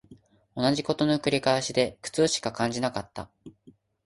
同じ事の繰り返しで苦痛しか感じなかった